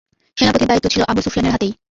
সেনাপতির দায়িত্ব ছিল আবু সুফিয়ানের হাতেই।